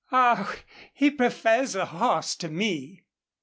"Oh! he prefers the horse to me."